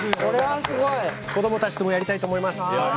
子供たちともやりたいと思います。